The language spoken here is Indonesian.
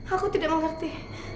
aku tidak mengerti